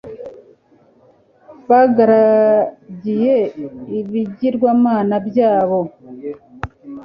bagaragiye ibigirwamana byabo